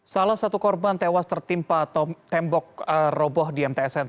salah satu korban tewas tertimpa atau tembok roboh di mtsn